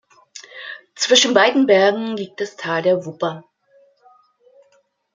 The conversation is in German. Zwischen beiden Bergen liegt das Tal der Wupper.